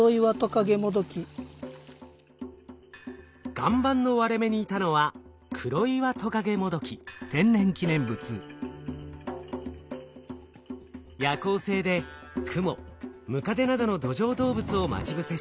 岩盤の割れ目にいたのは夜行性でクモムカデなどの土壌動物を待ち伏せし捕食します。